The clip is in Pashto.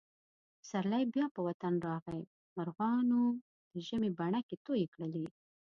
پسرلی بیا په وطن راغی. مرغانو د ژمي بڼکې تویې کړلې.